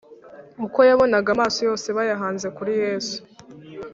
Uko yabonaga amaso yose bayahanze kuri Yesu